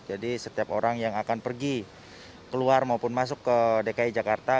jadi setiap orang yang akan pergi keluar maupun masuk ke dki jakarta